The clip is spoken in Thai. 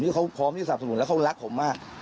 ที่เขาพร้อมที่สาบสนุนแล้วเขารักผมมาก